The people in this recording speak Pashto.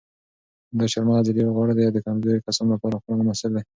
دا چهارمغز ډېر غوړ دي او د کمزورو کسانو لپاره خورا مناسب دي.